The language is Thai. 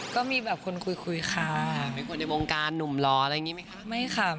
อ๋อสวยขนาดนี้